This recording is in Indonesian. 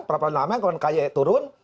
pra peradilan lama yang kalau kai turun